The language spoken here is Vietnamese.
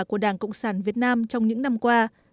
của đảng cộng sản việt nam trong những năm qua